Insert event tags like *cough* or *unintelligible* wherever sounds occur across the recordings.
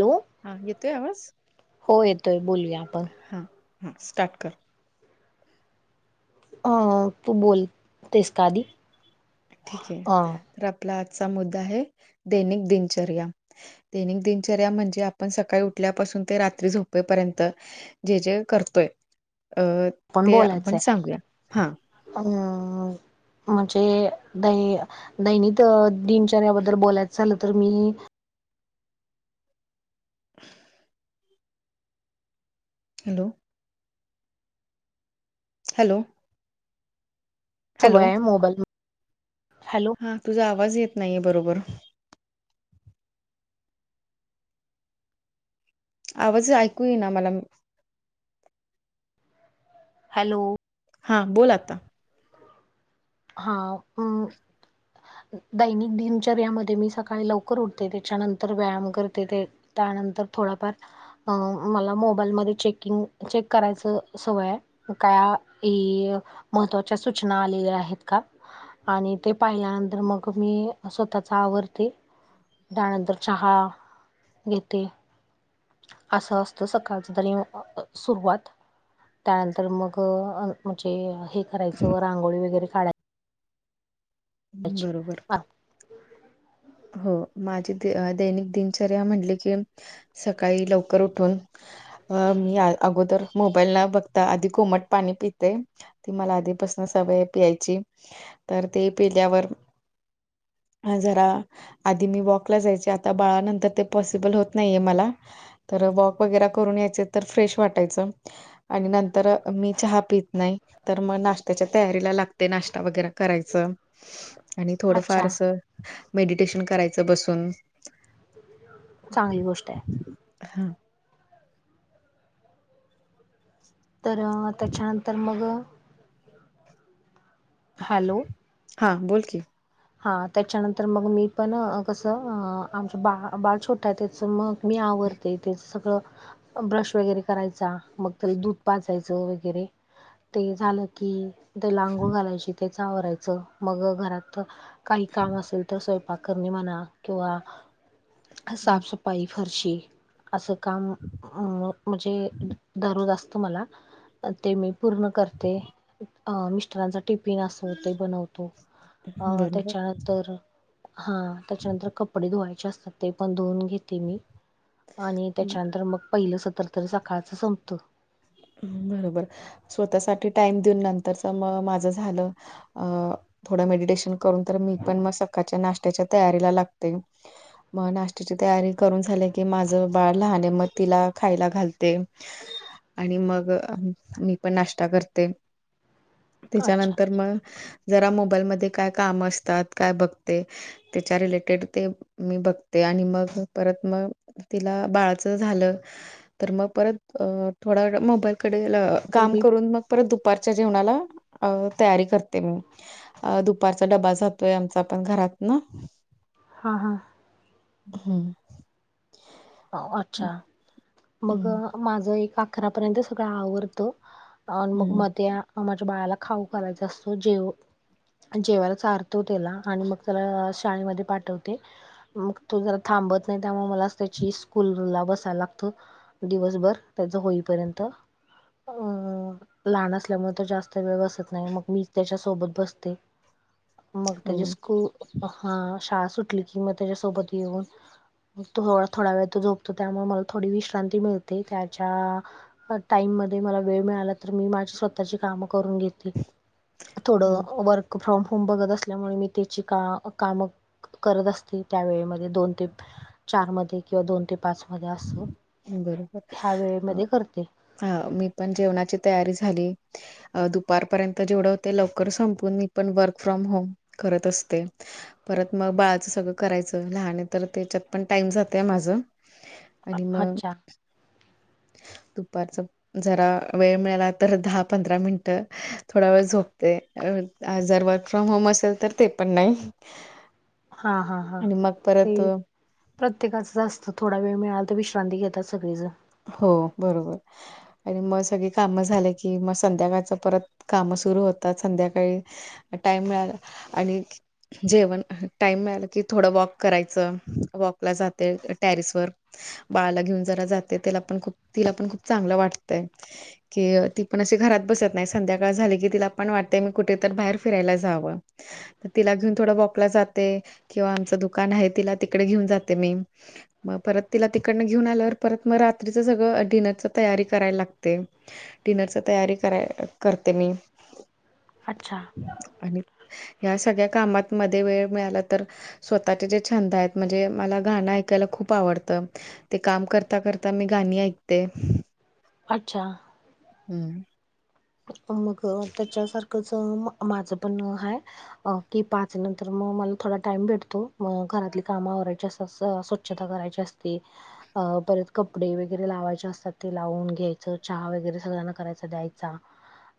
Hello हा येतोय आवाज हो येतोय बोलूया आपण हां स्टार्ट कर अ तू बोलतेस काधी ठीक आहे तर आपला आजचा मुद्दा आहे दैनिक दिनचर्या. दैनिक दिनचर्या म्हणजे आपण सकाळी उठल्यापासून ते रात्री झोपेपर्यंत. जे जे करतोय अं पण बोलायचय अम्. म्हणजे दै दैनित दिनचर्याबद्दल बोलायचं झालं तर मी. *unintelligible* हॅलो! हॅलो! सुबय हॅलो आहे मोबाईल हॅलो! हा तुझा आवाज येत नाहीये बरोबर. आवाज ऐकू ये ना मला. हॅलो! हां बोल आता. हा अ दैनिक दिनचर्यामध्ये मी सकाळी लवकर उठते त्याच्यानंतर व्यायाम करते ते. त्यानंतर थोडाफार. अ मला मोबाईलमध्येध्ये चेकिंग चेक करायच सवय आहे. का महत्वाच्या सूचना आलेल्या आहेत. आणि ते पाहिल्यानंतर मग मी स्वतःचा आवर्ते त्यानंतर चहा घेते. असं असतं सकाळचं तरी सुरुवात त्यानंतर मग म्हणजे हे करायचं रांगोळी वगैरे काढाय बरोबर. हो माझी दैनिक दिनचर्या म्हटली की सकाळी लवकर उठून. अ मी अगोदर मोबाईल न, बघता आधी कोमट पाणी पिते. ती मला आधीपासून सवय पियची तर ते पिल्यावर हा जरा आधी मी वॉकला जायचे आता बाळानंतर ते पॉसिबल होत नाहीये मला. तर वॉक वगैरा करून यायचे तर फ्रेश वाटायचं. आणि नंतर मी चहा पित नाही. तर म नाश्त्याच्या तयारीला लागते नाश्ता वगैरे करायचं. आणि थोडं फार अच्छा अस मेडिटेशन करायचं बसून. चांगली गोष्ट आहे. ह. तर आता त्याच्या अंतर मग. हॅलो. हा बोल की. हा त्याच्यानंतर मग मी पण अ कसं अ आमचं बा बाळ छोटा हे त्याच मग मी आवर ते तेचं सगळं ब्रश वगैरे करायचा. मग त्याल दूध पाजायचं वगैरे ते झालं की तेला आंघोळ घालायची. त्याच आवरायचं मग घरात काही काम असेल त स्वयपाक करणे म्हणा किंवा हं, साफ सफाई फरशी असं काम म म्हणजे धरू जास्त मला. ते मी पूर्ण करते अ मिस्टरांचा टिफिन असो ते ब बनवतो अ बरोबर त्याच्यानंतर हां त्याच्यानंतर कपडे धुवायचे असतात. ते पण धुवून घेते मी आणि त्याच्यानंतर मग पहिलं सत्तर तर सकाळचं संपतं. हम्म बरोबर स्वतःसाठी टाइम दिऊन नंतरच म माझं झालं. अ थोडं मेडिटेशन करून तर मी पण मग सकाळच्या नाश्ट्याच्या तयारीला लागते. म नाश्ट्याची तयारी करून झाली की माझं बाळ लहाने म तिला खायला घालते. ह *inaudible* आणि मग मी पण नाश्ता करते अच्छा त्याच्यानंतर म जरा मोबाईलमध्ये काय काम असतात काय बघते. त्याच्या रिलेटेड ते मी बघते आणि मग परत म तिला बाळाचं झालं तर म परत अ थोड्या वेळ मोबाईलकडे ल तर काम मी करून मग. परत दुपारच्या जेवणाला अ तयारी करते मी. अ दुपारचा डबा सात वायाम *unintelligible* जातोय घरात न. हां हां. हम्म. अ -ओ अच्छा मग हं. अ माझं एक अकरापर्यंत सगळं आवरत. अन मग हं, म त्याअ माझ्या बाळाला खाऊ घालायचा असतो जेव जेवायला चार तो तेला आणि मग त्याला शाळेमध्ये पाठवते मग तो जरा थांबत नाही त्यामुळे मला आस त्याची स्कूलला बसायला लागतं दिवसभर त्याचं होईपर्यंत. अं लहान असल्यामुळं तो जास्त वेळ बसत नाही मग मीच त्याच्या सोबत बसते. मग त्याची हो. स्कू हां शाळा सुटली कि म त्याच्यासोबत येऊन. मग थोडा थोडा वेळ तो झोपतो त्यामुळे मला थोडी विश्रांती मिळते त्याच्या अ टाईम मध्ये मला वेळ मिळाला तर मी माझी स्वतःची कामं करून घेत. ती थोडं बरो वर्क फ्रॉम होम बघत असल्यामुळे मी त्याची का कामं करत असते त्यावेेळेमध्ये दोन ते. *unintelligible* चारमध्ये किंवा दोन ते पाचमध्ये आसो ह्या वेळेमध्ये करते. ह मी पण जेवणाची तयारी झाली. अ दुपारपर्यंत जेवढं ते लवकर संपून मी पण वर्क फ्रॉम होम करत असते. परत म बाळाचं सगळं करायचं लहान हे त्याला त्याच्यात पण टाइम जातंय माझं. आणि मंग अच्छा. दुपारचं जरा वेळ मिळाला तर दहा पंधरा मिनिटं थोडा वेळ झोपते अह आ जर वर्क फ्रॉम होम असेल तर ते पण नाही हा हा हा आणि मग ते परत प्रत्येकाचं अस्त थोडा वेळ मिळाला तर विश्रांती घेतात सगळीजण हो बरोबर आणि मग सगळी काम झाले की मग संध्याकाळच परत कामं सुरू होतात संध्याकाळी टाइम मिळाला आणि जेवण टाइम मिळालं की थोडं वॉक करायचं वॉकला जाते टॅरिसवर बाळाला घेऊन जरा जाते त्याला पण खूप तिला पण खूप चांगलं वाटतंय कि अ ती पण अशी घरात बसत नाही संध्याकाळ झाली की तिला पण वाटतंय मी कुठे तर बाहेर फिरायला जावं तिला घेऊन थोडं वॉकला जाते किंवा आमचं दुकान आहे तिला तिकडे घेऊन जाते मी मग परत तिला तिकडनं घेऊन आल्यावर परत मग रात्रीच सगळं डिनरच तयारी करायला लागते डिनरच तयारी कराय करते मी अच्छा आणि ह्या सगळ्या कामातमध्ये वेळ मिळाला तर स्वतःचे जे छंद आहेत म्हणजे मला गाणं ऐकायला खूप आवडत ते काम कर करता करता मी गाणी ऐकते अच्छा हम्म मग त्याच्यासारखंच माझं पण हाय अ की पाच नंतर मग मला थोडा टाइम भेटतो मग घरातली काम आवरायची असं स्वच्छता करायची असते अ परत कपडे वगैरे लावायचे असतात ते लावून घ्यायचं चहा वगैरे सगळ्यांना करायचा द्यायचा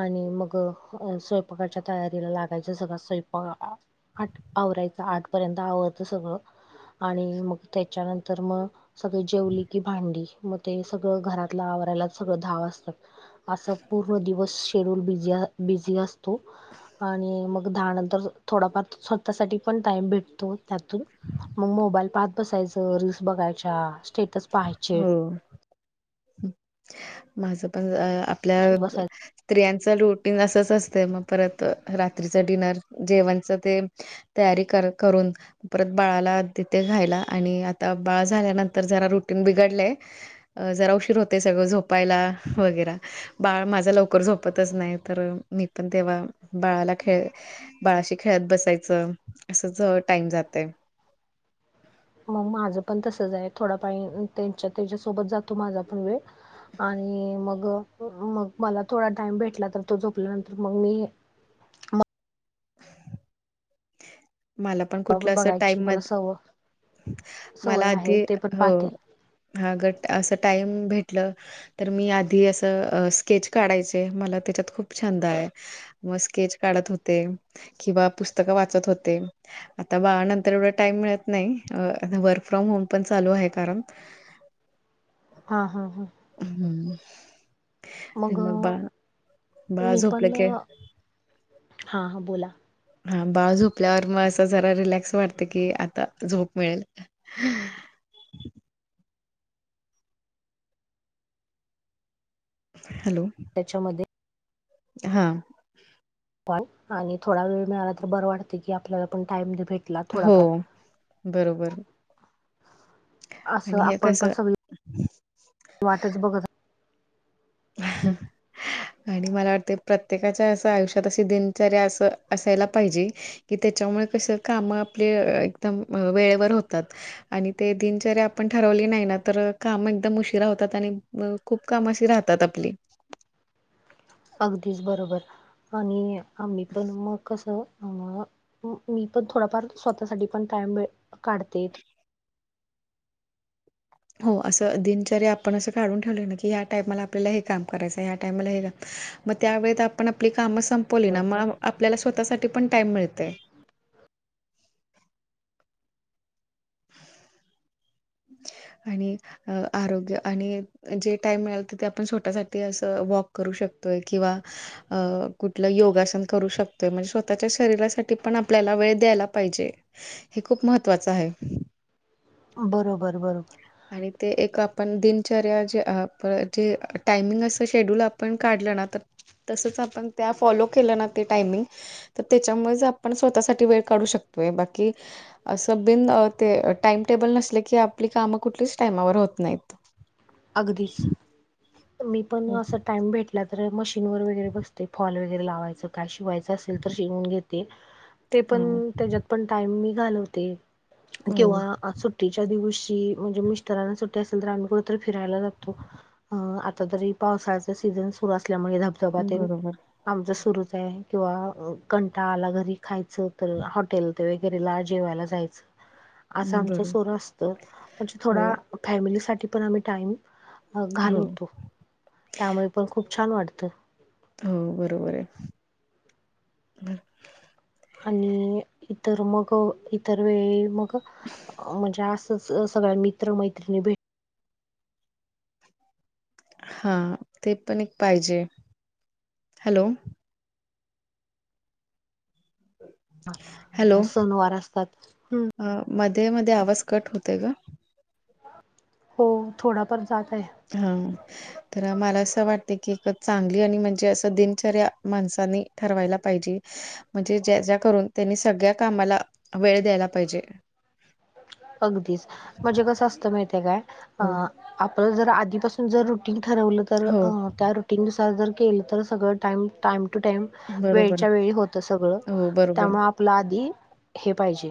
आणि मग स्वयंपाकाच्या तयारीला लागायच सगळा स्वयंपा आठ आवरायचं आठपर्यंत आवरायचं सगळं आणि मग त्याच्यानंतर मग सगळी जेवली की भांडी मग ते सगळं घरातलं आवरायलाच सगळं दहा वाजतात असं पूर्ण दिवस शेड्यूल बिझी अ बिझी असतो आणि मग दहा नंतर थोडाफार स्वतःसाठी पण टाइम भेटतो त्यातून मग मोबाईल पाहात बसायचं रील्स बघायच्या स्टेटस पाहायचे हो माझं पण अ आपल्या बसायचं स्त्रियांच रोटीन असंच असतंय मग परत रात्रीच डिनर जेवणच तेन तयारी कर करून परत बाळाला देते ख्यायला आणि आता बाळ झाल्यानंतर जरा रुटीन बिघडलय जरा उशीर होतंय सगळं झोपायला वगैरे बाळ माझा लवकर झोपतच नाही तर मी पण तेव्हा बाळाला खेळ बाळाशी खेळात बसायचं असच टाइम जातय मग माझं पण तसंच आहे थोडा पण त्यांच्या त्याच्यासोबत जातो माझा पण वेळ आणि मग मग मला थोडा टाइम भेटला तर तो झोपल्यानंतर मग मी मला पण कुठलं अस बघायची टाईम म मला सव मला सवय आहे आधी ते पण हो पाहते हा गट असं टाइम भेटलं तर मी आधी असं स्केच काढायचे मला त्याच्यात खूप छंद आहे मग स्केच काढत होते किंवा पुस्तकं वाचत होते आता बाळानंतर एवढा टाइम मिळत नाही वर्क फ्रॉम होम पण चालू आहे कारण हा हा हा हम्म मग बाळ मी झोपलं पण की हा हा बोला हा बाळ झोपल्यावर मग असं जरा रिलॅक्स वाटत की आता झोप मिळेल हॅलो त्याच्यामध्ये हां. पण आणि थोडा वेळ मिळाला तर बरं वाटते की, आपल्याला पण टाइम भेट हो बरोबर. असं आणि हे आपण पण कसं सगळी वाटच बघत. *inaudible* आणि मला वाटते प्रत्येकाच्या असं आयुष्यात अशी, दिनचर्या असं असायला पाहिजे. कि तिच्यामुळे कस काम आपले, एकदम वेळेवर होतात. आणि ते दिनचर्या आपण ठरवली नाही ना, तर काम एकदम उशिरा होतात. आणि खूप काम अशी राह त्यात आपली. अगदीच बरोबर, आणि आम्ही पण मग कसं. म- मी पण थोडाफार स्वतःसाठी पण टाइम वेळ काढते. हो, असं दिनचर्या आपण असं काढून ठेवले ना की, या टाइमाला आपल्याला हे काम करायचं या टाइमाला हे काम. मग त्यावेळेत आपण आपली कामं संपवली ना, बरोबर मग आपल्याला स्वतःसाठी पण टाइम मिळतंय. *inaudible* आणि अ -आरोग्य आणि, जे टाइम मिळाल ते आपण, स्वतःसाठी असं वॉक करू शकतोय. किंवा अ कुठलं योगासन करू शक तो, म्हणजे स्वतःच्या शरीरासाठी पण आपल्याला वेळ द्यायला पाहिजे, हे खूप महत्त्वाचं आहे. बरोबर बरोबर. आणि ते एक आपण दिनचर्या जे, जे- टायमिंग असं शेड्यूल आप पण काढलं ना तर, तसच आपण त्या फॉलो केलं ना ते टायमिंग. तर त्यांच्यामुळेच आपण स्वतःसाठी वेळ काढू शकतोय. बाकी असं बिन ते टाइम टेबल नसले की, आपली कामं कुठलीच टाइमावर होत नाहीत. अगदीच. मी पण अस टाइम भेट ला तर मशीनवर वगैरे बसते, फॉल वगैरे लावायचं काय शिवायचं असेल तर शिवून घेते. ते पण हम्म. त्यांच्यात पण टाइम मी घालवते, हा हो. किंवा सुट्टीच्या दिवशी म्हणजे, मिस्टरांना सुट्टी असेल तर आम्ही कुट तर फिरायला जातो. आता जरी पावसाळ्या सीझन सुरु असल्यामुळे धबधब्या तेन. बरोबर आमचं सुरूच आहे. किंवा कंटाळ आला घरी खायचं तर हॉटेल. ला वगैरे ला जेवायला जायचं. असं आमच बरोबर सोरू असतं. म्हणजे हो थोडा फॅमिली साठी पण आम्ही टाईम, हो अ-घालवतो त्यामुळें पण खूप छान वाटतं. हो बरोबर ये. *inaudible* आणि इतर मग इतर वेळी. मग म्हणजे आसं सगळ्या मित्र मैत्रणी भेट हा.. ते पण एक पाहिजे, हॅलो *inaudible* सनवार असतात. हम्म मध्ये मध्ये आवाज कट होतय कां? हो, थोडाफार जात आहे. हा. तर मला असं वाटते की, एक चांगली आणि म्हणजे असं दिनचर्या माणसानी ठरवायला पाहिजे. म्हणजे ज्या ज्या करून त्यांनी, सगळ्या कामाला वेळ द्यायला पाहिजे. अगदीच. म्हणजे कसं असत माहिती काय, हं. अ-आपलं जर आधीपासून जर रुटिंग ठरवलं. तर हो त्या रुटीननुसार जर केलं तर, सगळं टाईम टाईम टू टाईम. बरोबर वेळच्या वेळी होत सगळं, हो बरोबर त्यामुळे आप पल आधी हे पाहिजे,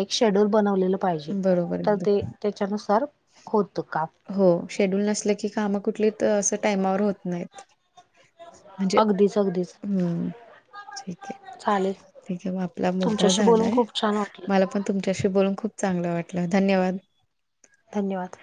एक शेड्युल बनवलेल. हिजे बरोबर तर एकदम ते त्याच्यानुसार होत का. हो शेड्यूल नसलं की कामं कुठली असं टाइमावर होत नाहीत. म्हणजे अगदीस अगदीस. हम्म ठीक आहे ठीक आहे मग आपला मुद्दा तुमच्याशी बोलून झालाय खूप छान वाटलं मला पण. तुमच्याशी बोलून खूप चांगलं वाटलं धन्यवाद. धन्यवाद!